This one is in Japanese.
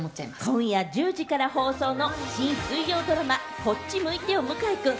今夜１０時から放送の新水曜ドラマ『こっち向いてよ向井くん』。